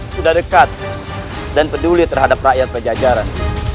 sudah dekat dan peduli terhadap rakyat pejajaran